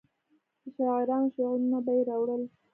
د شاعرانو شعرونه به یې راوړل.